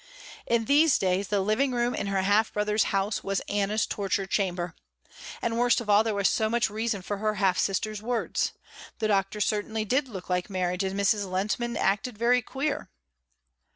In these days the living room in her half brother's house was Anna's torture chamber. And worst of all there was so much reason for her half sister's words. The Doctor certainly did look like marriage and Mrs. Lehntman acted very queer.